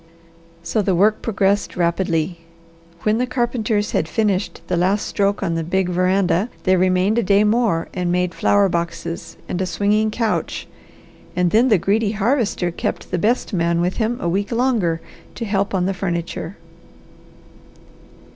So the work progressed rapidly. When the carpenters had finished the last stroke on the big veranda they remained a day more and made flower boxes, and a swinging couch, and then the greedy Harvester kept the best man with him a week longer to help on the furniture.